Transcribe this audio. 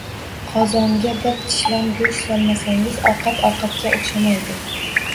Qozonga bir tishlam go`sht solmasangiz, ovqat ovqatga o`xshamaydi